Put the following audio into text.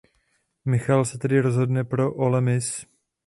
Michael se tedy rozhodne pro Ole Miss.